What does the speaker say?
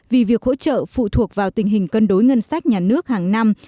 vì việc hỗ trợ phụ thuộc vào tình hình cân đối ngân sách nhà nước hàng năm